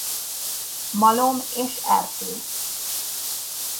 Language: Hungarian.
Malom és erdő.